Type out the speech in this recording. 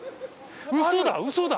ウソだウソだ！